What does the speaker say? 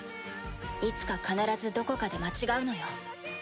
いつか必ずどこかで間違うのよ。